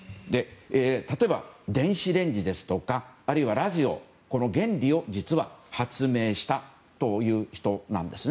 例えば電子レンジですとかラジオの原理を発明したという人なんです。